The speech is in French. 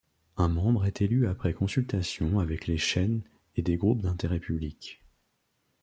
Un membre est élu après consultation avec les chaînes et des groupes d'intérêt public.